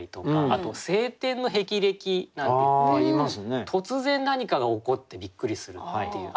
あと「青天の霹靂」なんていって突然何かが起こってびっくりするっていう。